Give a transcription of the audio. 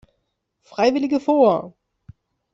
Freiwillige vor!